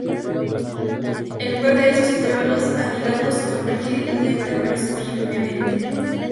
En lugar de eso, Intervalos Anidados convergen lenta pero firmemente.